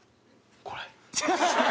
これ。